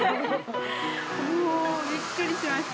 もうびっくりしました。